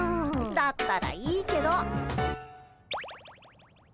だったらいいけど。